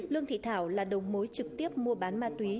lương thị thảo là đầu mối trực tiếp mua bán ma túy